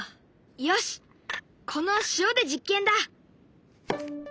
よしこの塩で実験だ。